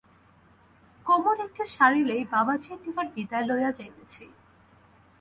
কোমর একটু সারিলেই বাবাজীর নিকট বিদায় লইয়া যাইতেছি।